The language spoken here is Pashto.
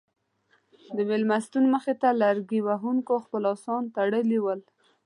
د مېلمستون مخې ته لرګي وهونکو خپل اسان تړلي ول.